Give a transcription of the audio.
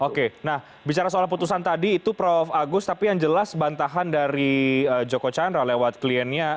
oke nah bicara soal putusan tadi itu prof agus tapi yang jelas bantahan dari joko chandra lewat kliennya